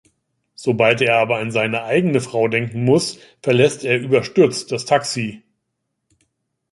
Sobald er aber an seine eigene Frau denken muss, verlässt er überstürzt das Taxi.